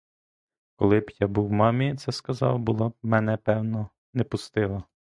Коли б я був мамі це сказав, була б мене певно не пустила.